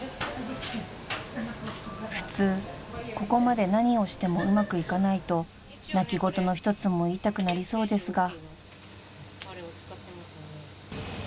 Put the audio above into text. ［普通ここまで何をしてもうまくいかないと泣き言の一つも言いたくなりそうですが］